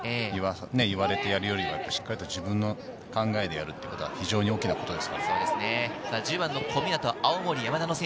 言われてやるより、しっかり自分の考えでやるっていうのは非常に大きなことです。